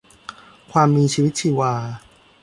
ความมีชีวิตชีวา